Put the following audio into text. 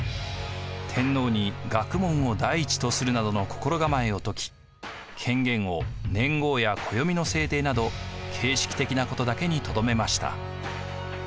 天皇に学問を第一とするなどの心がまえを説き権限を年号や暦の制定など形式的なことだけにとどめました。